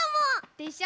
でしょ？